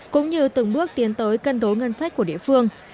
cũng như từng bước tiến tới cân đối ngân sách của địa phương